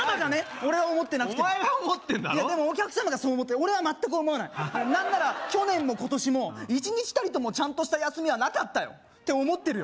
俺は思ってなくてもお前が思ってんだろでもお客様がそう思ってる俺は全く思わない何なら去年も今年も１日たりともちゃんとした休みはなかったよって思ってるよ